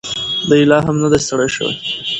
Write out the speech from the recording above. دی لا هم نه دی ستړی شوی.